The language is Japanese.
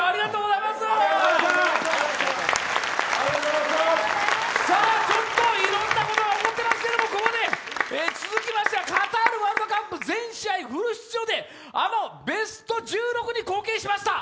いろんなことが起こっていますけど、ここで続きましてカタールワールドカップ全試合出場であのベスト１６に貢献しました